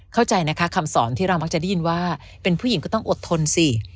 เข้าใจนะคะคำสอนที่เรามักจะได้ยินว่าเป็นผู้หญิงก็ต้องอดทนสิ